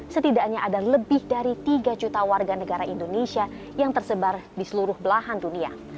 setidaknya ada lebih dari tiga juta warga negara indonesia yang tersebar di seluruh belahan dunia